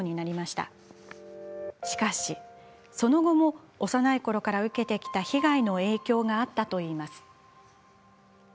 しかし、その後も幼いころから受けてきた被害の影響があったといいます。